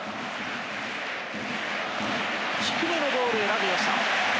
低めのボールを選びました。